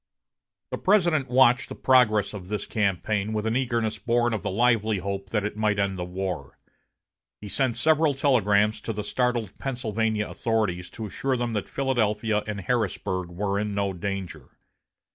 The President watched the progress of this campaign with an eagerness born of the lively hope that it might end the war. He sent several telegrams to the startled Pennsylvania authorities to assure them that Philadelphia and Harrisburg were in no danger.